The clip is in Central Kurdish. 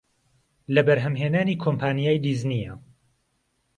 لە بەرهەمهێنانی کۆمپانیای دیزنییە